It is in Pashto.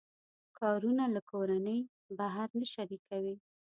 کارونه له کورنۍ بهر نه شریکوي.